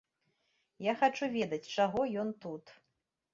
Я хачу ведаць, чаго ён тут.